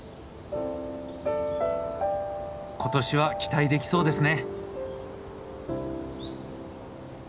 今年は期待できそうですね。